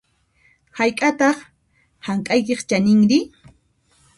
Hayk'ataq hank'aykiq chaninri?